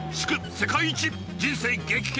世界一人生激変